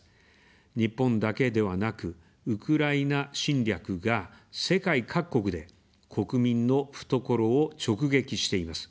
日本だけではなく、ウクライナ侵略が世界各国で国民の懐を直撃しています。